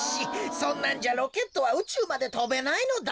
そんなんじゃロケットはうちゅうまでとべないのだ。